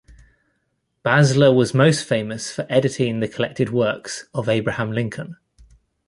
Basler was most famous for editing the collected works of Abraham Lincoln.